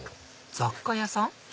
雑貨屋さん？